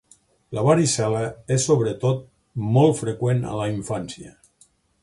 La varicel·la és sobretot molt freqüent a la infància.